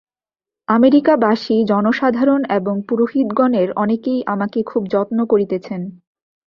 আমেরিকাবাসী জনসাধারণ এবং পুরোহিতগণের অনেকেই আমাকে খুব যত্ন করিতেছেন।